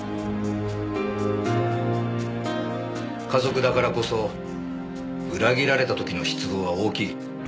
家族だからこそ裏切られた時の失望は大きい。